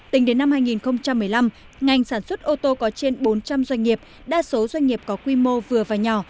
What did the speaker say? tính đến năm hai nghìn một mươi năm ngành sản xuất ô tô có trên bốn trăm linh doanh nghiệp đa số doanh nghiệp có quy mô vừa và nhỏ